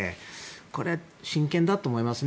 これ、真剣だと思いますね